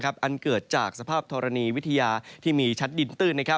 อันเกิดจากสภาพธรณีวิทยาที่มีชัดดินตื้น